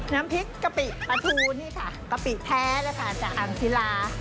น้ำพริกกะปิปะทูนี่ค่ะกะปิแท้นะคะจากอ่างธีรา